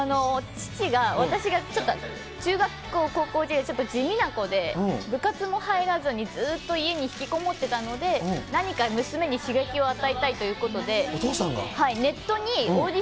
父が、私がちょっと中学校、高校時代、ちょっと地味な子で、部活も入らずにずっと家に引きこもってたので、何か娘に刺激を与えたいということで。